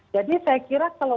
jadi saya kira kalau